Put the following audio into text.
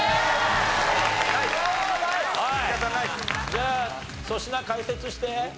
じゃあ粗品解説して。